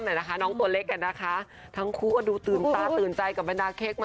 บทมิตรน่ารักมากไปชมคลิปเลยค่ะ